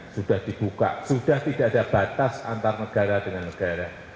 sudah dibuka sudah tidak ada batas antar negara dengan negara